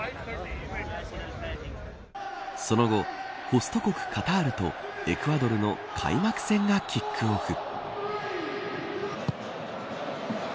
その後、ホスト国カタールとエクアドルの開幕戦がキックオフ。